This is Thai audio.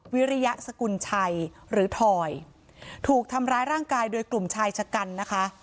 วิริยสกุลชัยหรือทอยถูกทำร้ายร่างกายโดยกลุ่มชายชะกันนะคะ